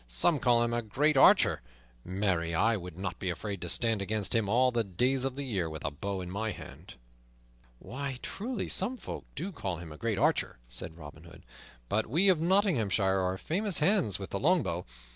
Some call him a great archer; marry, I would not be afraid to stand against him all the days of the year with a bow in my hand." "Why, truly, some folk do call him a great archer," said Robin Hood, "but we of Nottinghamshire are famous hands with the longbow.